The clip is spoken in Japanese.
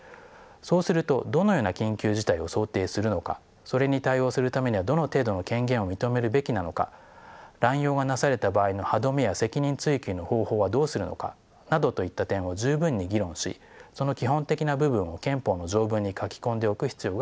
そうするとどのような緊急事態を想定するのかそれに対応するためにはどの程度の権限を認めるべきなのか乱用がなされた場合の歯止めや責任追及の方法はどうするのかなどといった点を十分に議論しその基本的な部分を憲法の条文に書き込んでおく必要があります。